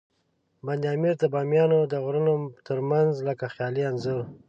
بند امیر د بامیانو د غرونو ترمنځ لکه خیالي انځور.